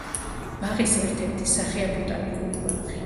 ბაღის ერთ-ერთი სახეა ბოტანიკური ბაღი.